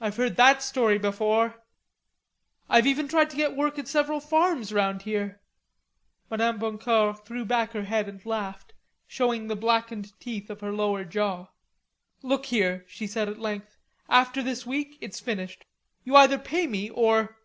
"I've heard that story before." "I've even tried to get work at several farms round here." Madame Boncour threw back her head and laughed, showing the blackened teeth of her lower jaw. "Look here," she said at length, "after this week, it's finished. You either pay me, or...